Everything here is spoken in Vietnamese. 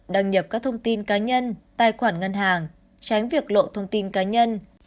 đăng nhập các thông tin cá nhân tài khoản ngân hàng tránh việc lộ thông tin cá nhân